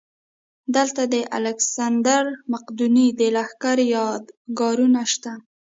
دلته د الکسندر مقدوني د لښکرو یادګارونه شته